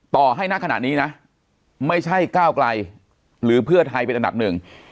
ต่อให้ณขณะนี้นะไม่ใช่ก้าวไกลหรือเพื่อไทยเป็นอันดับหนึ่ง